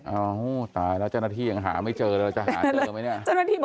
เอ้าตายแล้วเจ้าหน้าที่ยังหาไม่เจอเลยเราจะหาเจอไหมเนี่ย